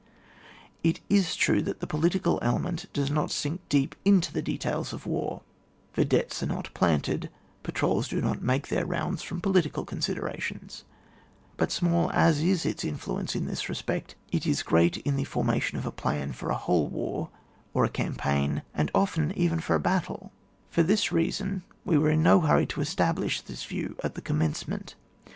It is true the political element does not sink deep into the details of war, Tedettes are not planted, patrols do not make their rounds from political con siderations, but small as is its influence in this respect, it is great in the forma tion of a plan for a whole war, or a campaign, and often even for a battle. For this reason we were in no hurry to establish this view at the commence ment.